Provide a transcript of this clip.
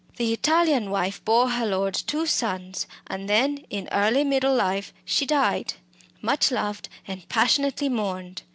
The Italian wife bore her lord two sons, and then in early middle life she died much loved and passionately mourned.